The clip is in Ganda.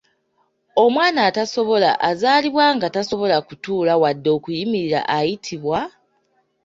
Omwana atasobola azaalibwa nga tasobola kutuula wadde okuyimirira ayitibwa?